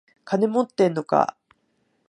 金持ってんのか？